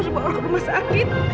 saya terlalu sakit